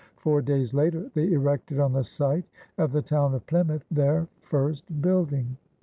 Four days later they erected on the site of the town of Plymouth their first building.